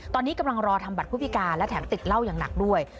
ตอนนี้กำลังรอทำบัตรผู้พิการและแถมติดเหล้าอย่างหนักด้วย